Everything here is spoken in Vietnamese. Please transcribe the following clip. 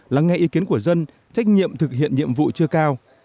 lắng nghe ý kiến của dân trách nhiệm thực hiện nhiệm vụ chưa cao